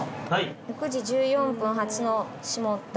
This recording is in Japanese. ６時１４分発の下館。